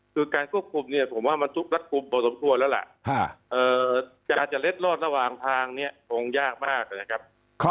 คือการควบคุมเนี่ยผมว่ามันทุกรัดกลุ่มพอสมควรแล้วล่ะจะอาจจะเล็ดรอดระหว่างทางเนี่ยคงยากมากนะครับ